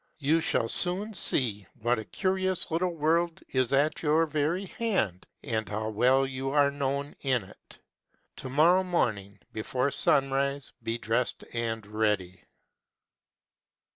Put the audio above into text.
You shall soon see what a curious little world is at your very hand, and how well you are known in it. To morrow morning before sunrise be dressed and ready."